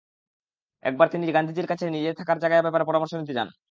একবার তিনি গান্ধীজির কাছে নিজের থাকার জায়গার ব্যাপারে পরামর্শ নিতে যান।